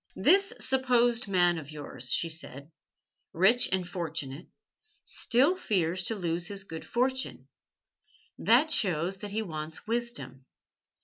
"This supposed man of yours," she said, "rich and fortunate, still fears to lose his good fortune. That shows that he wants wisdom.